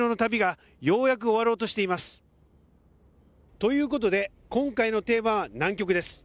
ということで今回のテーマは南極です。